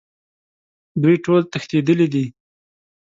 دوی ټول تښتیدلي دي